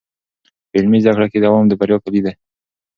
په عملي زده کړه کې دوام د بریا کلید دی.